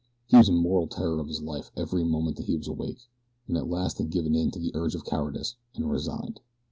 He was in mortal terror of his life every moment that he was awake, and at last had given in to the urge of cowardice and resigned.